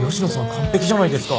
完璧じゃないですか。